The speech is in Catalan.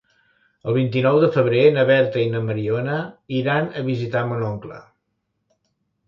El vint-i-nou de febrer na Berta i na Mariona iran a visitar mon oncle.